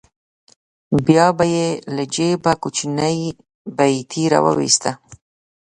بیا به یې له جېبه کوچنۍ بیاتي راوویسته.